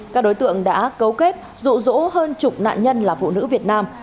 các đối tượng đã cấu kết rụ rỗ hơn chục nạn nhân là phụ nữ việt nam